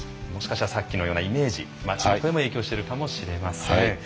さっきのようなイメージ街の声も影響してるかもしれません。